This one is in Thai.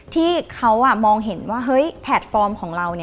ที่เขามองเห็นว่าเฮ้ยแพลตฟอร์มของเรา